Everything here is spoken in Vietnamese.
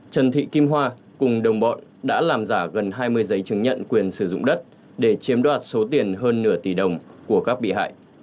trần thị kim hoa cùng đồng bọn đã làm giả gần hai mươi giấy chứng nhận quyền sử dụng đất để chiếm đoạt số tiền hơn nửa tỷ đồng của các bị hại